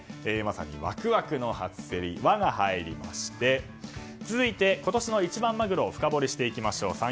まさにワクワクの初競りの「ワ」が入りまして続いて、今年の一番マグロを深掘りしてきましょう。